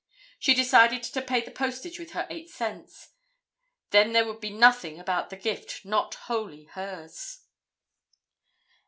She decided to pay the postage with her eight cents. Then there would be nothing about the gift not wholly hers.